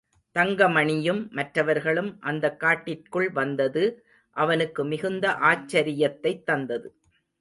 தங்கமணியும் மற்றவர்களும் அந்தக் காட்டிற்குள் வந்தது அவனுக்கு மிகுந்த ஆச்சரியத்தைத் தந்தது.